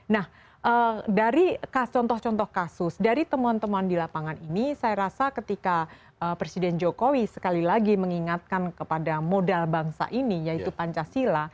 nah dari contoh contoh kasus dari temuan temuan di lapangan ini saya rasa ketika presiden jokowi sekali lagi mengingatkan kepada modal bangsa ini yaitu pancasila